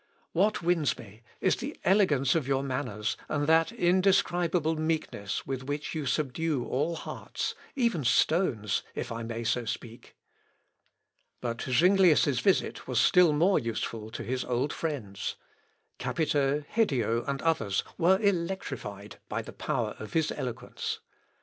What wins me is the elegance of your manners, and that indescribable meekness with which you subdue all hearts, even stones, if I may so speak." But Zuinglius' visit was still more useful to his old friends. Capito, Hedio, and others, were electrified by the power of his eloquence.